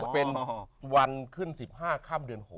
เป็นวันขึ้นสิบห้าคร่ำเดือน๖